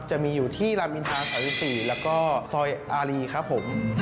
จะมีอยู่ที่รามอินทา๓๔แล้วก็ซอยอารีครับผม